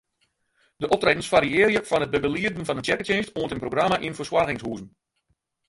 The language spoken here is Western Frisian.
De optredens fariearje fan it begelieden fan in tsjerketsjinst oant in programma yn fersoargingshuzen.